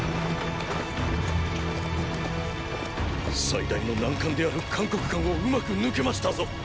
最大の難関である函谷関をうまく抜けましたぞ。